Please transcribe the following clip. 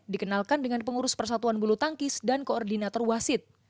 dikenalkan dengan pengurus persatuan bulu tangkis dan koordinator wasit